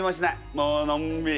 もうのんびり。